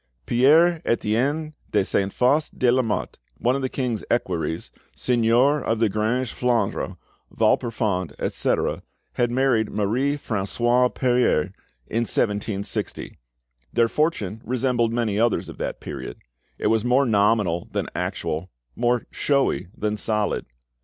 Pierre Etienne de Saint Faust de Lamotte, one of the king's equerries, seigneur of Grange Flandre, Valperfond, etc., had married Marie Francoise Perier in 1760. Their fortune resembled many others of that period: it was more nominal than actual, more showy than solid.